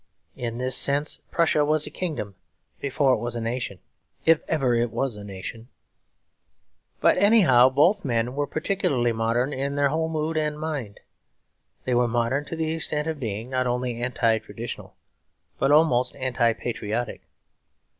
In this sense Prussia was a kingdom before it was a nation; if it ever was a nation. But anyhow both men were particularly modern in their whole mood and mind. They were modern to the extent of being not only anti traditional, but almost anti patriotic.